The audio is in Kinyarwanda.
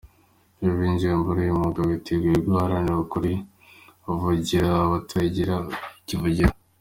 Iyo winjiye muri uyu mwuga, witegura guharanira ukuri, uvugira abatagira kivugira.